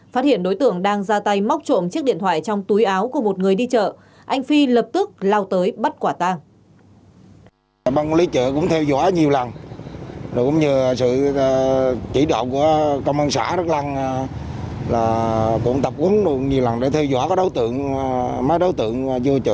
phát hiện đối tượng đang ra tay móc trộm chiếc điện thoại trong túi áo của một người đi chợ anh phi lập tức lao tới bắt quả tang